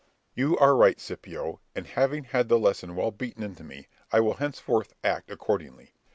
Berg. You are right, Scipio; and having had the lesson well beaten into me, I will henceforth act accordingly.